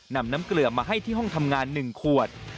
นำน้ำเกลือมาให้ที่ห้องทำงาน๑ขวด